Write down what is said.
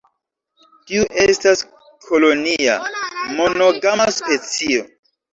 Tiu estas kolonia, monogama specio.